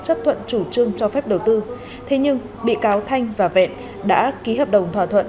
chấp thuận chủ trương cho phép đầu tư thế nhưng bị cáo thanh và vẹn đã ký hợp đồng thỏa thuận